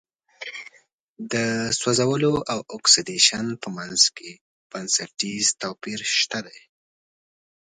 د سوځولو او اکسیدیشن په منځ کې بنسټیز توپیر شته دی.